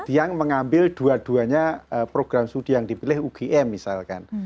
yang mengambil dua duanya program studi yang dipilih ugm misalkan